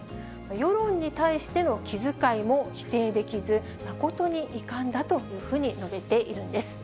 世論に対しての気遣いも否定できず、誠に遺憾だというふうに述べているんです。